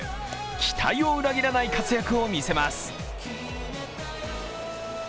期待を裏切らない活躍を見せます。